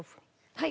はい。